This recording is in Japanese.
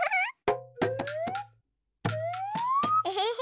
エヘヘ。